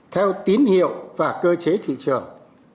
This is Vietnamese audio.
theo tín hiệu và cơ chế thị trường